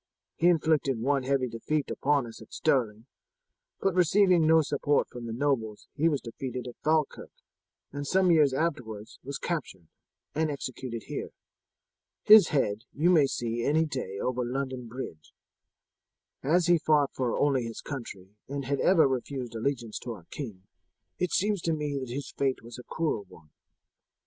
He inflicted one heavy defeat upon us at Stirling, but receiving no support from the nobles he was defeated at Falkirk, and some years afterwards was captured and executed here. His head you may see any day over London Bridge. As he fought only for his country and had ever refused allegiance to our king, it seems to me that his fate was a cruel one.